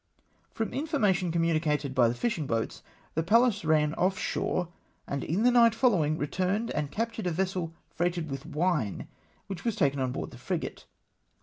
From information communicated by the fishing boats the Pallas ran off shore, and in the night following, returned and captured a vessel freighted with wine, which was taken on board the frigate.